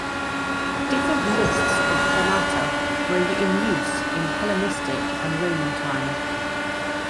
Different lists of climata were in use in Hellenistic and Roman time.